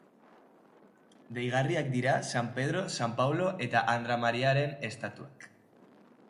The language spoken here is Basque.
Deigarriak dira San Pedro, San Paulo eta Andra Mariaren estatuak.